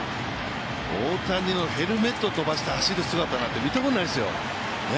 大谷のヘルメット飛ばして走る姿なんて見たことないですよ。